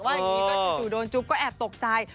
อย่างนี้ก็จู่โดนจุ๊บก็แอบตกใจ